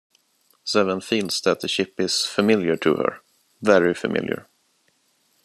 Seven feels that the ship is familiar to her; very familiar.